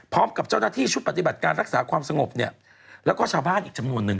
พร้อมกับเจ้าหน้าที่ชุดปฏิบัติการรักษาความสงบเนี่ยแล้วก็ชาวบ้านอีกจำนวนหนึ่ง